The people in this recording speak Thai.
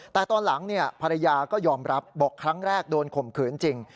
แต่ตอนหลังภรรยาก็ยอมรับบอกครั้งแรกโดนข่มขืนจริง